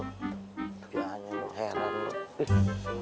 jangan ngeheran lu